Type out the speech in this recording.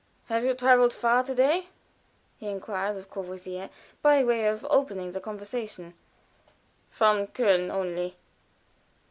"Have you traveled far to day?" he inquired of Courvoisier, by way of opening the conversation. "From Köln only."